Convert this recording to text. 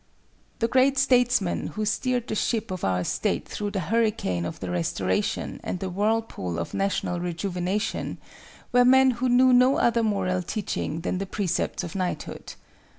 The great statesmen who steered the ship of our state through the hurricane of the Restoration and the whirlpool of national rejuvenation, were men who knew no other moral teaching than the Precepts of Knighthood.